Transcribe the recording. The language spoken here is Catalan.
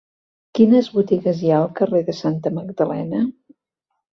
Quines botigues hi ha al carrer de Santa Magdalena?